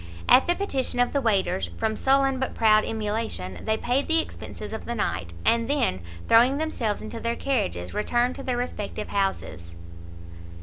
At the petition of the waiters, from sullen but proud emulation, they paid the expences of the night, and then throwing themselves into their carriages, returned to their respective houses.